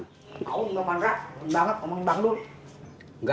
tau enggak marah enggak banget ngomongin bang lu